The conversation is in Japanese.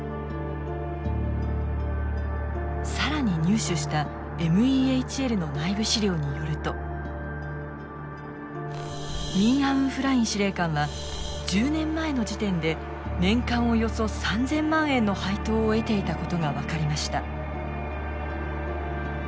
更に入手したＭＥＨＬの内部資料によるとミン・アウン・フライン司令官は１０年前の時点で年間およそ３，０００万円の配当を得ていたことが分かりました。